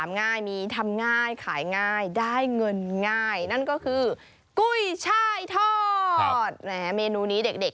ง่ายมีทำง่ายขายง่ายได้เงินง่ายนั่นก็คือกุ้ยช่ายทอดแหมเมนูนี้เด็ก